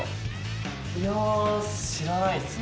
いや知らないですね。